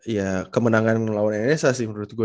ya kemenangan melawan nss sih menurut gue